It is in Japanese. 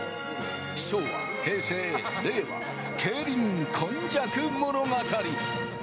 昭和、平成、令和、競輪今昔物語。